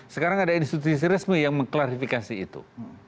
sekarang ada institusi resmi yang mengklarifikasi itu